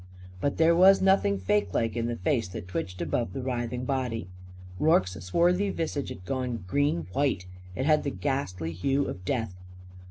But there was nothing fakelike in the face that twitched above the writhing body. Rorke's swarthy visage had gone green white. It had the ghastly hue of death.